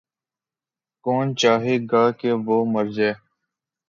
کون چاہے گا کہ وہ مر جاَئے۔